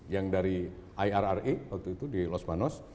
yang dari irri waktu itu di los banos